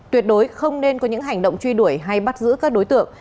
tuyệt đối không nên có những hành động truy đuổi hay bắt giữ các đối tượng